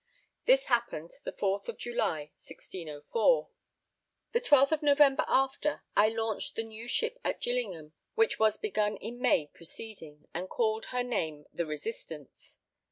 This happened the 4th of July, 1604. The 12th of November after, I launched the new ship at Gillingham, which was begun in May preceding, and called her name the Resistance.